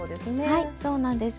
はいそうなんです。